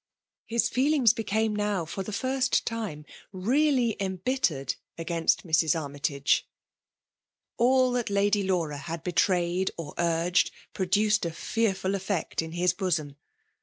His feeUngs became now for €be first time really embittered against Mrs. Armytage. All tliat Lady Laura had betrayed or urged, produced a fearful effect in his bosom.